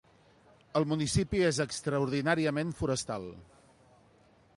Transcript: El municipi és extraordinàriament forestal.